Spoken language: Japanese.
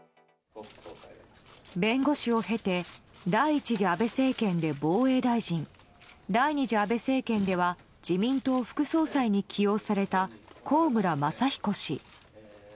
弁護士を経て第１次安倍政権で防衛大臣第２次安倍政権では自民党副総裁に起用された高村正彦氏。